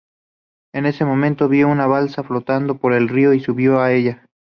En ese momento, vio una balsa flotando por el río y subió a ella.